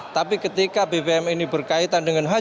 tapi ketika bbm ini berkaitan dengan harga bbm